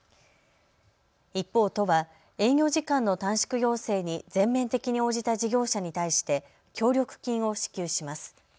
一方、都は営業時間の短縮要請に全面的に応じた事業者に対して協力金を支給します。